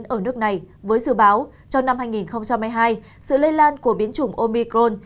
ở nước này với dự báo trong năm hai nghìn hai mươi hai sự lây lan của biến chủng omicron